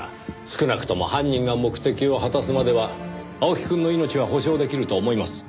少なくとも犯人が目的を果たすまでは青木くんの命は保証できると思います。